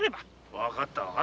分かった。